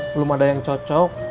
belum ada yang cocok